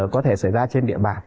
có thể xảy ra trên địa bàn